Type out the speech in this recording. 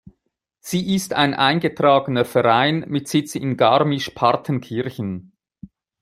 Sie ist ein eingetragener Verein mit Sitz in Garmisch-Partenkirchen.